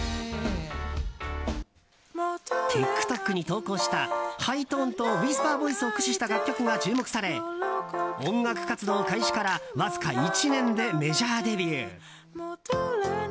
ＴｉｋＴｏｋに投稿したハイトーンとウィスパーボイスを駆使した楽曲が注目され音楽活動開始からわずか１年でメジャーデビュー。